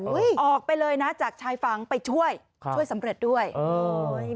อุ้ยออกไปเลยนะจากชายฝังไปช่วยค่ะช่วยสำหรับด้วยโอ่ยอ้อ